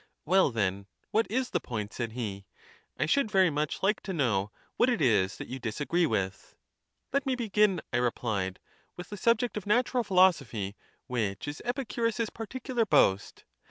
Well then, what is the point?" said he; "l Cicero^tat™ should very much like to know what it is that you Eptaurasf disagree with." Let me begin," I replied, with pHiSS"^'ia the subject of Natural Philosophy, which is Epicurus's either not np» particular boast.